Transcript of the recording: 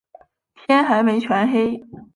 天还没全黑